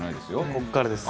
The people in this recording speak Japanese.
ここからです。